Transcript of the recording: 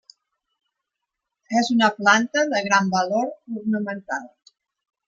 És una planta de gran valor ornamental.